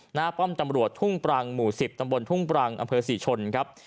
ป้อมตำรวจทุ่งปรังหมู่๑๐ตำบลทุ่งปรังอำเภอศรีชนครับ